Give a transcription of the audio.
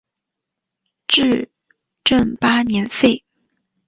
至正八年废。